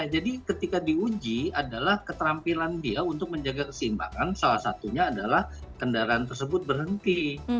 jadi ketika diuji adalah keterampilan dia untuk menjaga keseimbangan salah satunya adalah kendaraan tersebut berhenti